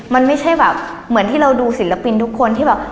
มันไม่ใช่แบบเหมือนที่เราดูศิลปินทุกคนที่แบบ